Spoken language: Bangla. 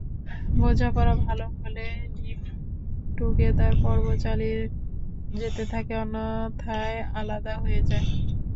বোঝাপড়া ভালো হলে লিভ-টুগেদার পর্ব চালিয়ে যেতে থাকে, অন্যথায় আলাদা হয়ে যায়।